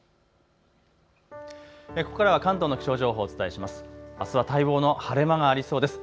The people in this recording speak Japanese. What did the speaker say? ここからは関東の気象情報をお伝えします。